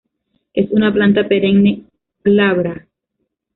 Es una planta perenne, glabra.